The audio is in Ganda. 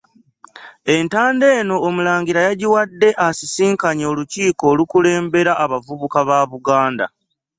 Entanda eno Omulangira yagiwadde asisinkanye olukiiko olukulembera abavubuka ba Buganda